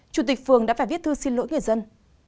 chủ tịch phường đã phải viết thư xin lỗi người dân